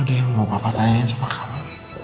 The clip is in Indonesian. ada yang mau bapak tanyain sope kamu